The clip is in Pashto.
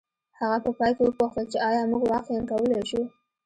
هغه په پای کې وپوښتل چې ایا موږ واقعیا کولی شو